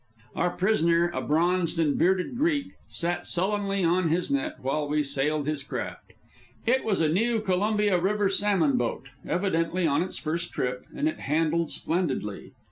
Our prisoner, a bronzed and bearded Greek, sat sullenly on his net while we sailed his craft. It was a new Columbia River salmon boat, evidently on its first trip, and it handled splendidly.